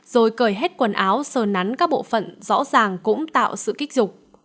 rồi cởi hết quần áo sơ nắn các bộ phận rõ ràng cũng tạo sự kích dục